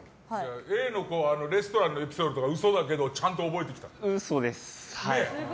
Ａの方はレストランのエピソードとか嘘だけどちゃんと覚えてきたの？